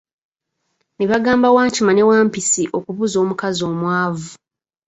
Ne bagamba Wankima ne Wampisi okubuuza omukazi omwavu.